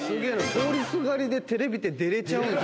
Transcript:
通りすがりでテレビって出れちゃうの？